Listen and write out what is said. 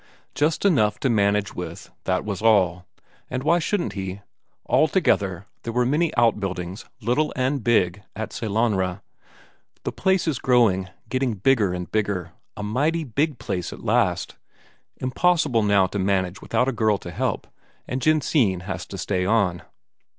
Just enough to manage with, that was all and why shouldn't he? Altogether, there were many outbuildings, little and big, at Sellanraa. The place is growing, getting bigger and bigger, a mighty big place at last. Impossible now to manage without a girl to help, and Jensine has to stay on.